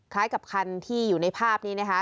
กับคันที่อยู่ในภาพนี้นะคะ